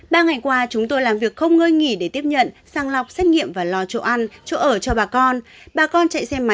ba ngày qua chúng tôi làm việc không ngơi nghỉ để tiếp nhận sang lọc xét nghiệm và lo chỗ ăn chỗ ở cho bà con